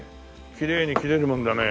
きれいに切れるもんだね。